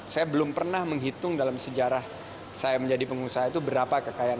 saya belum pernah menghitung dalam sejarah saya menjadi pengusaha itu berapa kekayaan